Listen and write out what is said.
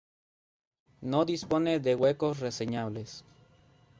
No dispone de huecos reseñables.